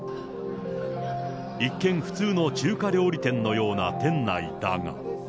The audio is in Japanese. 一見、普通の中華料理店のような店内だが。